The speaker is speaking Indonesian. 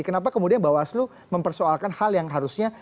kenapa kemudian bawaslu mempersoalkan hal yang harusnya